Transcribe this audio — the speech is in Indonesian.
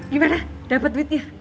gimana dapat duitnya